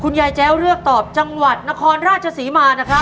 ยายแจ้วเลือกตอบจังหวัดนครราชศรีมานะครับ